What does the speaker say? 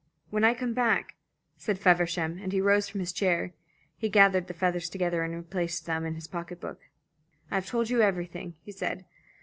"When I come back," said Feversham, and he rose from his chair. He gathered the feathers together and replaced them in his pocket book. "I have told you everything," he said.